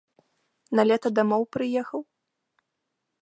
На лета дамоў прыехаў?